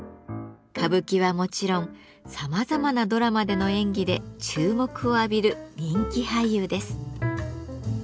歌舞伎はもちろんさまざまなドラマでの演技で注目を浴びる人気俳優です。